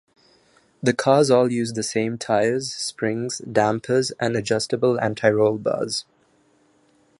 The cars all use the same tires, springs, dampers, and adjustable anti-roll bars.